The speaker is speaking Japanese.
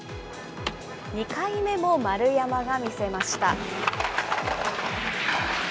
２回目も丸山が見せました。